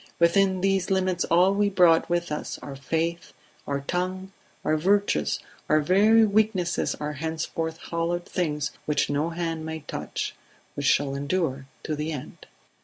Within these limits all we brought with us, our faith, our tongue, our virtues, our very weaknesses are henceforth hallowed things which no hand may touch, which shall endure to the end.